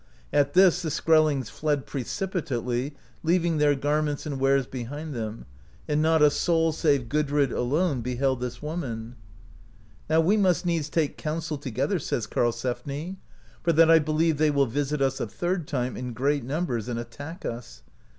At this the Skrellings fled precipitately, leaving their garments and wares be hind theni; and not a soul, save Gudrid alone, beheld this woman. '*Now w^e must needs take counsel together/' says Karlsefni, "for that I believe they will visit us a third time, in great numbers, and attack us.